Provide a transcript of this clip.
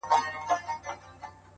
هره ورځ نوی فکر نوی لوری جوړوي